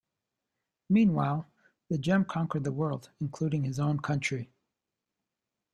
Meanwhile, the "Gem" conquered the world, including his own country.